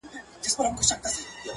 په تورو سترگو کي کمال د زلفو مه راوله ـ